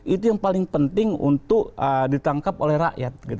itu yang paling penting untuk ditangkap oleh rakyat